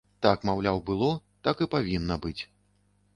Так, маўляў, было, так і павінна быць.